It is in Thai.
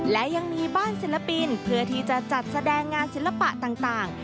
และยังมีบ้านศิลปินเพื่อที่จะจัดแสดงงานศิลปะต่าง